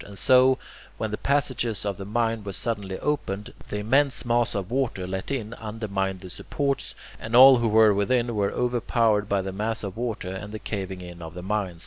And so, when the passages of the mine were suddenly opened, the immense mass of water let in undermined the supports, and all who were within were overpowered by the mass of water and the caving in of the mine.